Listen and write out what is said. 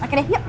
pakai deh yuk